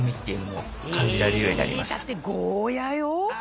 だってゴーヤよ？